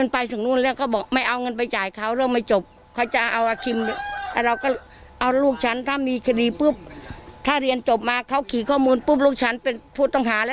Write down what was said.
เพราะง่ายจนขึ้นเลยเมื่อวาน